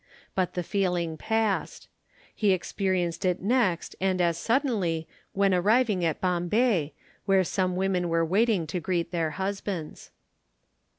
But the feeling passed. He experienced it next and as suddenly when arriving at Bombay, where some women were waiting to greet their husbands.